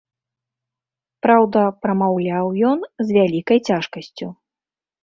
Праўда, прамаўляў ён з вялікай цяжкасцю.